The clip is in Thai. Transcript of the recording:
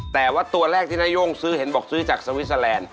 แต่ว่าตัวแรกที่นาย่งซื้อเห็นบอกซื้อจากสวิสเตอร์แลนด์